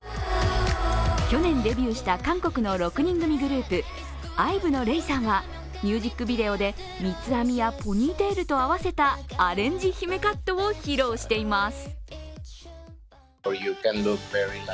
去年デビューした韓国の６人組グループ、ＩＶＥのレイさんはミュージックビデオで三つ編みやポニーテールと合わせたアレンジ姫カットを披露しています。